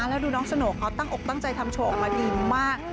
แล้วดูน้องสโน่เขาตั้งอกตั้งใจทำโชว์ออกมาดีมาก